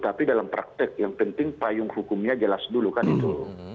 tapi dalam praktek yang penting payung hukumnya jelas dulu kan itu